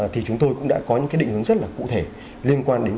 thì chúng tôi cũng đã có những cái định hướng rất là cụ thể liên quan đến